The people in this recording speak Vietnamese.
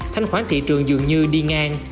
thanh khoán thị trường dường như đi ngang